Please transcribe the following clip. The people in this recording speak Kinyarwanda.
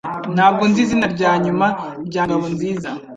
Ntabwo nzi izina rya nyuma rya Ngabonziza